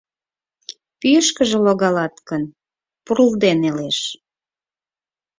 Пӱйышкыжӧ логалат гын, пурлде нелеш.